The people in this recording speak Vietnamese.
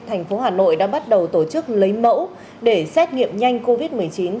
thành phố hà nội đã bắt đầu tổ chức lấy mẫu để xét nghiệm nhanh covid một mươi chín